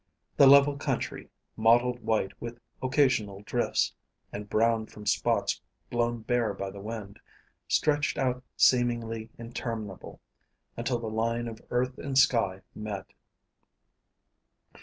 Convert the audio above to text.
The level country, mottled white with occasional drifts, and brown from spots blown bare by the wind, stretched out seemingly interminable, until the line of earth and sky met.